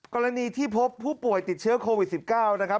กรณีที่พบผู้ป่วยติดเชื้อโควิด๑๙นะครับ